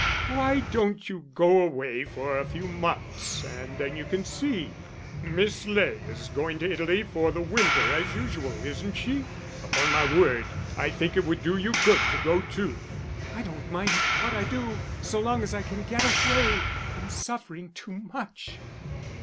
"Why don't you go away for a few months, and then you can see? Miss Ley is going to Italy for the winter as usual, isn't she? Upon my word, I think it would do you good to go too." "I don't mind what I do so long as I can get away. I'm suffering too much."